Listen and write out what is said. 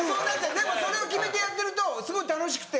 でもそれを決めてやってるとすごい楽しくて。